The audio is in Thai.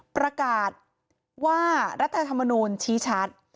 ประกาศว่ารัฐธรรมนูลชี้ชัด